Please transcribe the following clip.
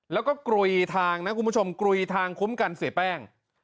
แล้วก็กลุยทางนะคุณผู้ชมกลุยทางคุ้มกันเสียแป้ง